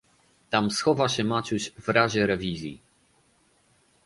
"Tam schowa się Maciuś w razie rewizji."